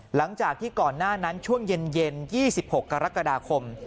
หลังจากที่ก่อนหน้านั้นช่วงเย็น๒๖กรกฎาคม